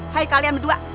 hai kalian berdua